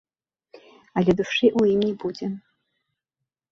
Але душы ў ім не будзе.